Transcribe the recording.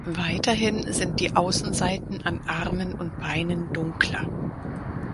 Weiterhin sind die Außenseiten an Armen und Beinen dunkler.